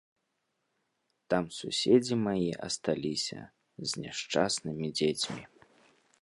Там суседзі мае асталіся з няшчаснымі дзецьмі.